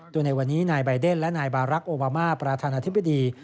โดยในวันนี้นายใบเดนและนายบารักษ์โอบามาประธานาธิบดี